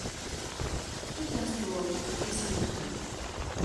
Petersburg et St-Martin.